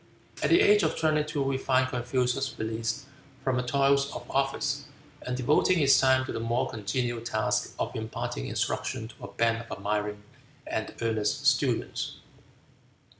At the age of twenty two we find Confucius released from the toils of office, and devoting his time to the more congenial task of imparting instruction to a band of admiring and earnest students.